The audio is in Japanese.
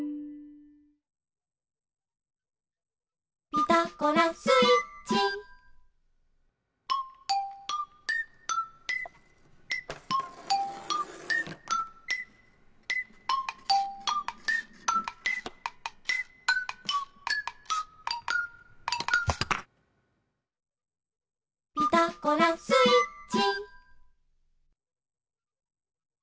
「ピタゴラスイッチ」「ピタゴラスイッチ」